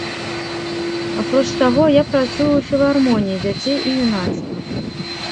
Апроч таго, я працую ў філармоніі дзяцей і юнацтва.